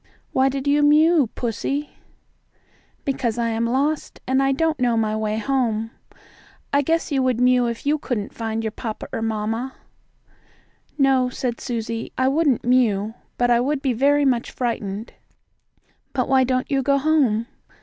"Why did you mew, pussie?" asked Susie. "Because I am lost, and I don't know my way home. I guess you would mew if you couldn't find your papa or mamma." "No," said Susie, "I wouldn't mew, but I would be very much frightened. But why don't you go home?"